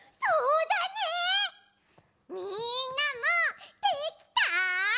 みんなもできた？